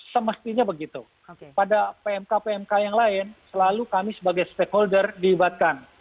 semestinya begitu pada pmk pmk yang lain selalu kami sebagai stakeholder diibatkan